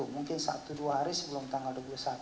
mungkin satu dua hari sebelum tanggal dua puluh satu